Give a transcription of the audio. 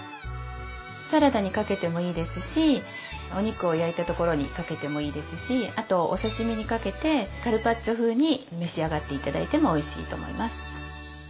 サラダにかけてもいいですしお肉を焼いたところにかけてもいいですしあとお刺身にかけてカルパッチョ風に召し上がって頂いてもおいしいと思います。